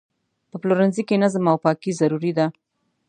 په پلورنځي کې نظم او پاکي ضروري ده.